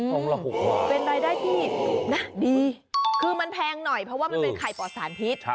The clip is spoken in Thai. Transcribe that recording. เป็นรายได้ที่ดีคือมันแพงหน่อยเพราะว่ามันเป็นไข่ปลอดสารพิษ